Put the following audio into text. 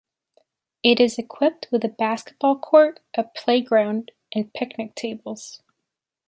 It is equipped with a basketball court, a playground, and picnic tables.